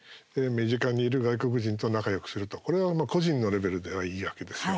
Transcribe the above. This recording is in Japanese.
身近にいる外国人と仲よくするとこれは個人のレベルではいいわけですよ。